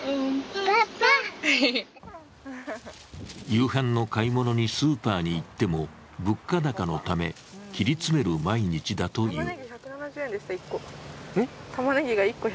夕飯の買い物にスーパーに行っても、物価高のため、切り詰める毎日だという。